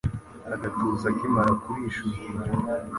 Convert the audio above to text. agatuza akimara kurisha urwuri